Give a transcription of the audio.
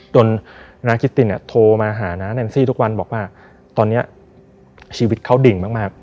น้าคิตตินโทรมาหาน้าแนนซี่ทุกวันบอกว่าตอนนี้ชีวิตเขาดิ่งมาก